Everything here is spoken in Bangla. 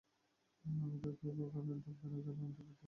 আমি তো তোর কানের দুল কেনার জন্যই ইন্টারভিউ দেই।